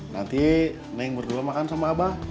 nanti neng berdua makan sama abah